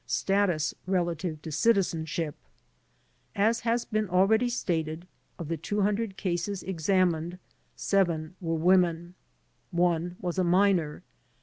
Status Relative to Citizenship As has been already stated, of the 200 cases examined, 7 were women. One was a minor.